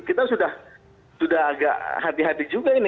kita sudah agak hati hati juga ini